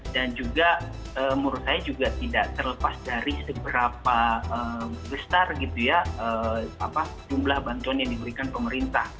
dan juga menurut saya juga tidak terlepas dari seberapa besar gitu ya jumlah bantuan yang diberikan pemerintah